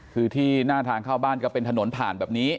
คือที่หน้าทางเข้าบ้านก็เป็นถนนผ่านแบบนี้